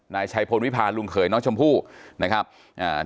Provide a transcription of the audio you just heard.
นายชัยพลวิพาลุงเขยน้องชมพู่นะครับอ่า